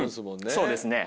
そうですね。